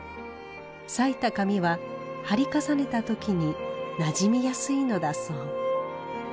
裂いた紙は貼り重ねた時になじみやすいのだそう。